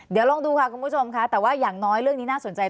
เดี๋ยวลองดูค่ะคุณผู้ชมค่ะแต่ว่าอย่างน้อยเรื่องนี้น่าสนใจ